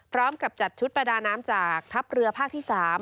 พร้อมกับจัดชุดประดาน้ำจากทัพเรือภาคที่๓